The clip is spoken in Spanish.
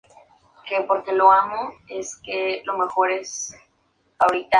Se une a Leigh y al bajista Chris St.